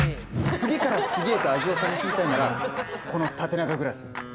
次から次へと味を楽しみたいならこの縦長グラス。